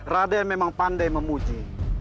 raden memang pandai memuji